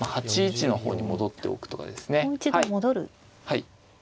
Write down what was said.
はい。